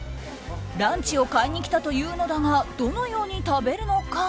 ランチを買いに来たというのだがどのように食べるのか？